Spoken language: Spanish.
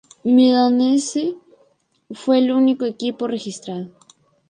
Milanese fue el único equipo registrado.